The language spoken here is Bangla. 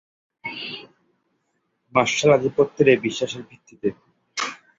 মার্শাল আধিপত্যের এই বিশ্বাসের ভিত্তিতে।